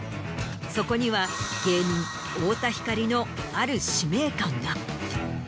そこには芸人太田光のある使命感が。